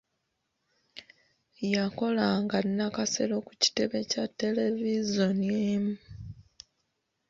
Yakolanga nakasero ku kitebe kya televizoni emu.